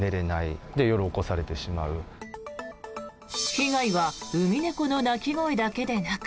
被害はウミネコの鳴き声だけでなく。